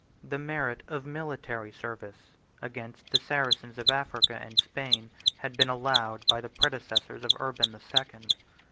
The merit of military service against the Saracens of Africa and Spain had been allowed by the predecessors of Urban the Second.